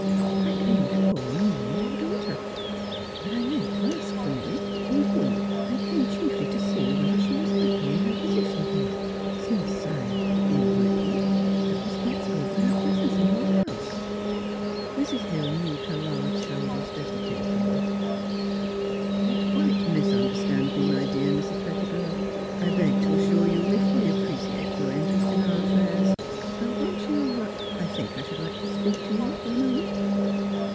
'* I came to call upon NOT AT HOME TO VISITORS 149 you and your daughter; but I meant to ask for Milly. Indeed, I came eliiefly to see whether she was happy in her position here ; since I — in a way — am responsible for her jDresence in your house." Mrs. Hill moved her large shoulders deprecat ingly. " You quite misunderstand me, my dear Mrs. Pettibone. I beg to assure you we fully appreciate your interest in our affairs. Won't you — I think I should like to speak to you for a moment."